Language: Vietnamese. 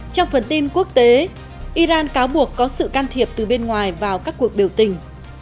trong phần tin quốc tế iran cáo buộc có sự can thiệp từ bên ngoài vào các cuộc biểu tình